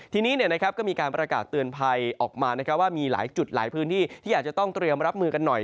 ทีนี้ก็มีการประกาศเตือนภัยออกมาว่ามีหลายจุดหลายพื้นที่ที่อาจจะต้องเตรียมรับมือกันหน่อย